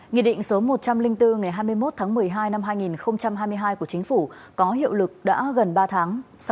nghị định số một trăm linh bốn